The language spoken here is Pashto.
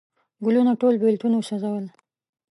ګلونه ټول بیلتون وسوزل